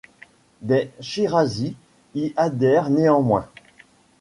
Des Shirazi y adhèrent néanmoins.